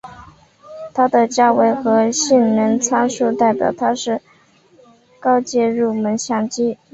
它的价位和性能参数代表它是高阶入门相机。